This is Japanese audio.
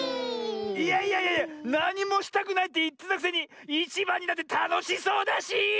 いやいやいやなにもしたくないっていってたくせにいちばんになってたのしそうだし！